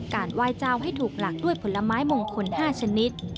ไหว้เจ้าให้ถูกหลักด้วยผลไม้มงคล๕ชนิด